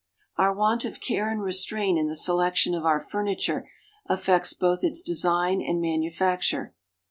Our want of care and restraint in the selection of our furniture affects both its design and manufacture.